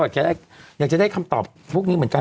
อยากจะได้คำตอบพวกนี้เหมือนกัน